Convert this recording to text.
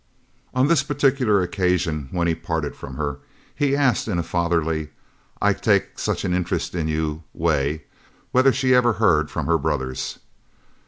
On this particular occasion, when he parted from her, he asked in a fatherly, I take such an interest in you way whether she ever heard from her brothers.